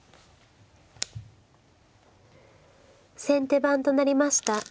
先手番となりました